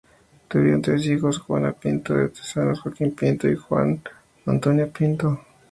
Tuvieron tres hijos, Juana Pinto de Tezanos, Joaquín Pinto y Juan Antonio Pinto.